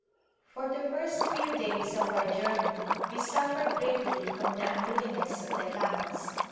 For the first few days of our journey, we suffered greatly from the unruliness of the camels.